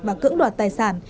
và cưỡng đoạt tài sản